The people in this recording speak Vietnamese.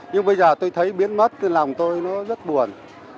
nhưng bây giờ tôi thấy biến mất cái lòng tôi nó rất buồn